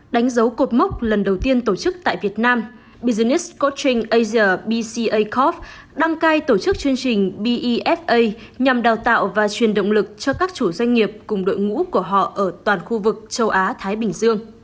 đánh dấu cột mốc lần đầu tiên tổ chức tại việt nam business codering asia bcacov đăng cai tổ chức chương trình befa nhằm đào tạo và truyền động lực cho các chủ doanh nghiệp cùng đội ngũ của họ ở toàn khu vực châu á thái bình dương